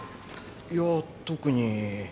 いや特に。